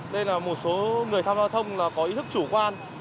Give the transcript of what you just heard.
nên là một số người tham gia giao thông có ý thức chủ quan